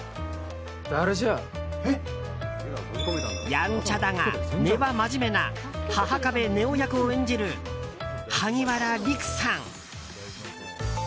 やんちゃだが、根は真面目な波々壁新音役を演じる萩原利久さん。